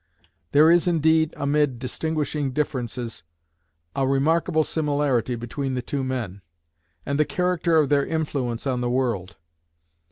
There is indeed, amid distinguishing differences, a remarkable similarity between the two men, and the character of their influence on the world.